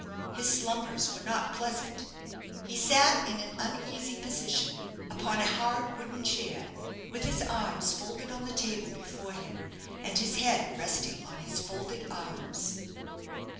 His slumbers were not pleasant. He sat in an uneasy position, upon a hard wooden chair, with his arms folded on the table before him, and his head resting on his folded arms.